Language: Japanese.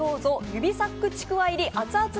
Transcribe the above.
指サックちくわ入りあつあつ